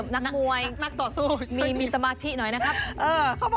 นักมวยนักต่อสู้มีสมาธิหน่อยนะครับ